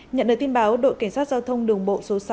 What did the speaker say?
nhận được tin báo đội cảnh sát giao thông đường bộ số sáu